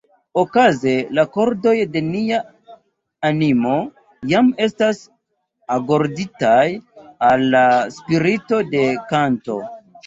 Okaze la kordoj de nia animo jam estas agorditaj al la spirito de kanto.